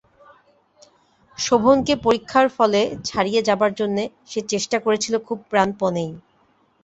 শোভনকে পরীক্ষার ফলে ছাড়িয়ে যাবার জন্যে সে চেষ্টা করেছিল খুব প্রাণপণেই।